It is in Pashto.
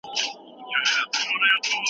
زه د خپل مخ په مینځلو بوخت یم.